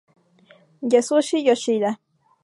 Yasushi Yoshida